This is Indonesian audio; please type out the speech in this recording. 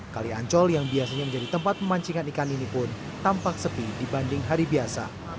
kali ancol yang biasanya menjadi tempat pemancingan ikan ini pun tampak sepi dibanding hari biasa